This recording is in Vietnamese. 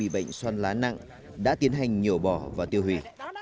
bệnh soan lá nặng đã tiến hành nhổ bỏ và tiêu hủy